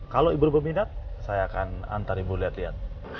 kalau ibu berminat saya akan antar ibu lihat lihat